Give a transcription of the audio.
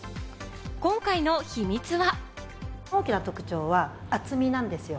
今回の秘密は。